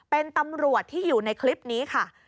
เป็นตำรวจที่อยู่ในคลิปนี้ค่ะ